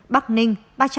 bắc ninh ba trăm bảy mươi hai